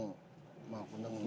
まあこんなものか。